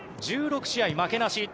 １６試合負けなし。